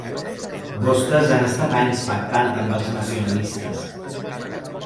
Vostès han estat anys pactant amb els nacionalistes.